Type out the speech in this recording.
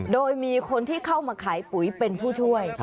โดยมีคนที่เข้ามาขายปุ๋ยเป็นผู้ช่วย